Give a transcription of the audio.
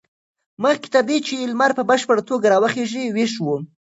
مخکې تر دې چې لمر په بشپړه توګه راوخېژي ویښ و.